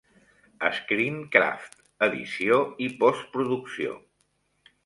Screencraft: edició i postproducció.